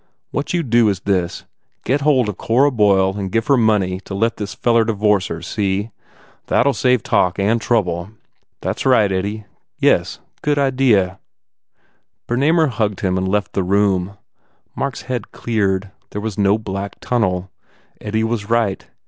What you do is this, Get hold of Cora Boyle and give her money to let this feller divorce her, see? That ll save talk and trouble." "That s right, Eddie. Yes, good idea." Bernamer hugged him and left the room. Mark s head cleared. There was no black tunnel. Eddie was right.